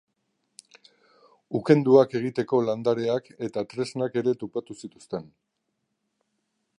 Ukenduak egiteko landareak eta tresnak ere topatu zituzten.